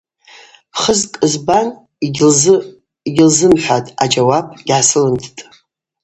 Пхызкӏ збан йгьылзымхӏватӏ, аджьауап гьгӏасылымтатӏ.